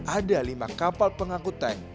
ada lima kapal pengangkut tank